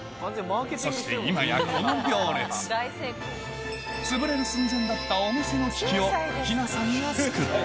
そして今やこの行列つぶれる寸前だったお店の危機を日菜さんが救った